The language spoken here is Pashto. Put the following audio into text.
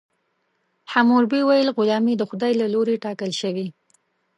حموربي ویل غلامي د خدای له لورې ټاکل شوې.